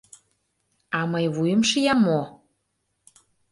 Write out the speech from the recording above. — А мый вуйым шиям мо!